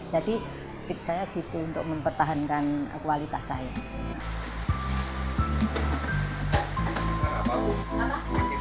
jadi fit saya gitu untuk mempertahankan kualitas saya